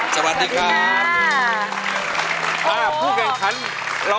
สวัสดีครับ